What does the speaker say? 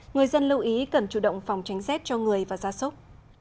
người dân lưu ý cần chủ động phòng tránh rét cho người và gia sốc